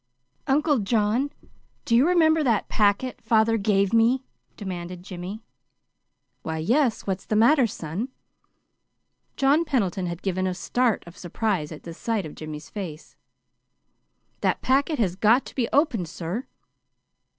"Uncle John, do you remember that packet father gave me?" demanded Jimmy. "Why, yes. What's the matter, son?" John Pendleton had given a start of surprise at sight of Jimmy's face. "That packet has got to be opened, sir."